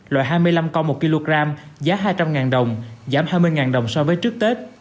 loại một trăm linh con một kg giá hai trăm linh đồng giảm hai mươi đồng so với trước tết